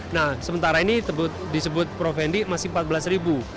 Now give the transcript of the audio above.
nah sementara ini disebut provendi masih empat belas ribu